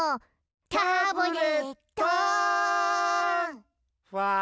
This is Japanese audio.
タブレットン！